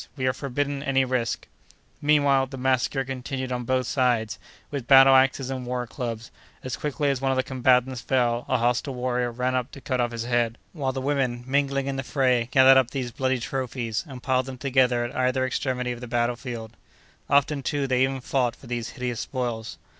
We are forbidden any risk." Meanwhile, the massacre continued on both sides, with battle axes and war clubs; as quickly as one of the combatants fell, a hostile warrior ran up to cut off his head, while the women, mingling in the fray, gathered up these bloody trophies, and piled them together at either extremity of the battle field. Often, too, they even fought for these hideous spoils.